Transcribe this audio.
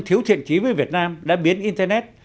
thiếu thiện trí với việt nam đã biến internet